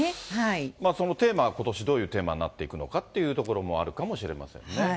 そのテーマがことし、どういうふうになっていくのかということもあるかもしれませんね。